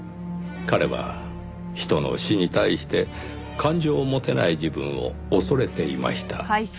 彼は人の死に対して感情を持てない自分を恐れていました。